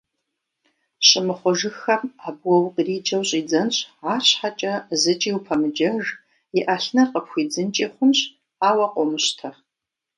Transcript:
Щымыхъужыххэм абы уэ укъриджэу щӀидзэнщ, арщхьэкӀэ зыкӀи упэмыджэж, и Ӏэлъыныр къыпхуидзынкӀи хъунщ, ауэ къомыщтэ.